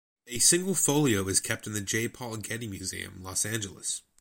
A single folio is kept in the J. Paul Getty Museum, Los Angeles.